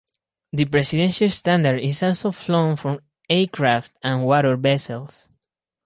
The Presidential Standard is also flown from aircraft and water vessels.